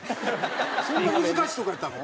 そんな難しいとこやったの？